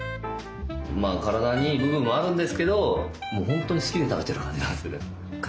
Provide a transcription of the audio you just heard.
体にいい部分もあるんですけどほんとに好きで食べてる感じなんですよね。